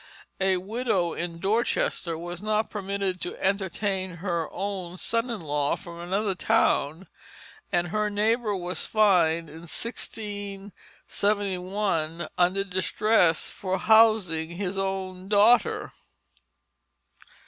A widow in Dorchester was not permitted to entertain her own son in law from another town, and her neighbor was fined in 1671 "under distress" for housing his own daughter.